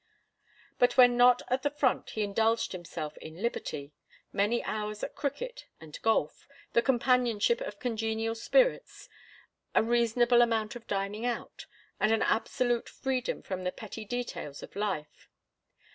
But when not at the front he indulged himself in liberty, many hours at cricket and golf, the companionship of congenial spirits, a reasonable amount of dining out, and an absolute freedom from the petty details of life.